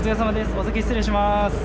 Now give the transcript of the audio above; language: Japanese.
お先に失礼します。